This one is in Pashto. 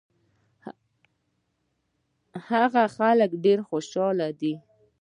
هغه خلک ډېر خوشاله دي.